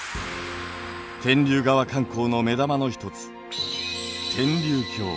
天竜川観光の目玉の一つ天竜峡。